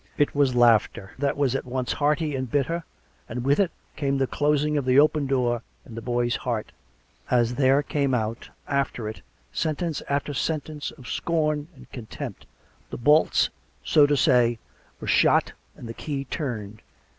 It was laughter that was at once hearty and bitter; and, with it, came the closing of the open door in the boy's heart. As there came out, after it, sentence after sentence of scorn and contempt, the bolts, 46 COME RACK! COME ROPE! so to say, were shot and the key turned.